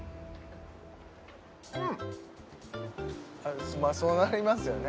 うんまあそうなりますよね